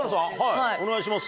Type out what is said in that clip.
お願いします。